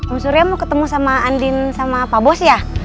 bu surya mau ketemu sama andin sama pak bos ya